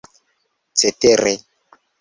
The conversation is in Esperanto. cetere